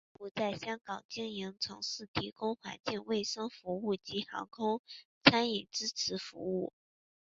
业务在香港经营从事提供环境卫生服务及航空餐饮支持服务。